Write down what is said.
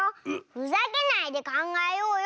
ふざけないでかんがえようよ！